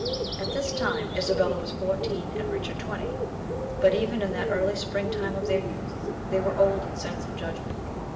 At this time Isabella was fourteen and Richard twenty; but even in that early spring time of their youth, they were old in sense and judgment.